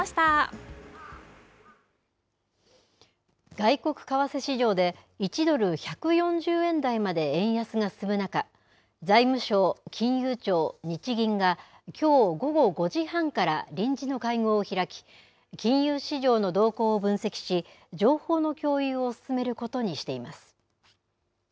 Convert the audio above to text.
外国為替市場で、１ドル１４０円台まで円安が進む中、財務省、金融庁、日銀が、きょう午後５時半から臨時の会合を開き、金融市場の動向を分析し、情報の共有を進めることにしています。